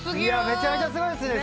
めちゃめちゃすごいっすね！